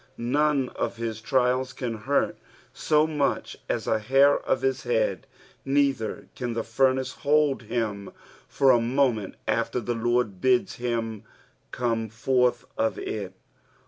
None of hia trials CAn hurt so much as a hair of his head, neither can the furnace hold him for a moment after the Lord bids him come forth of it.